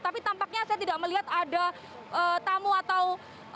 tapi tampaknya saya tidak melihat ada tamu atau